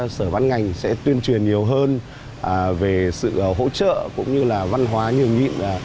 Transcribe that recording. các sở văn ngành sẽ tuyên truyền nhiều hơn về sự hỗ trợ cũng như là văn hóa nhiều nhịn